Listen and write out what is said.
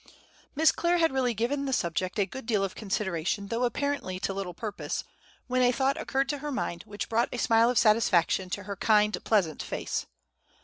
Miss Clare had really given the subject a good deal of consideration, though apparently to little purpose, when a thought occurred to her mind which brought a smile of satisfaction to her kind pleasant face.